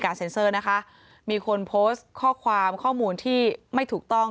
เซ็นเซอร์นะคะมีคนโพสต์ข้อความข้อมูลที่ไม่ถูกต้อง